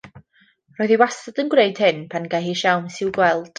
Roedd hi wastad yn gwneud hyn pan gâi hi siawns i'w gweld.